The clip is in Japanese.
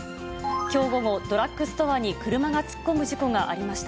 きょう午後、ドラッグストアに車が突っ込む事故がありました。